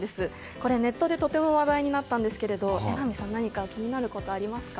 これ、ネットでとても話題になったんですが榎並さん、何か気になることありますか？